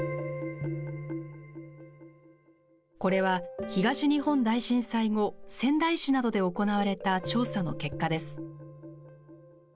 これは東日本大震災後仙台市などで行われた調査の結果です。